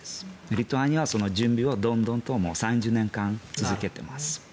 リトアニアはその準備を、どんどんと３０年間続けています。